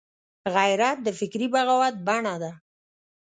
غیرت د فکري بغاوت بڼه ده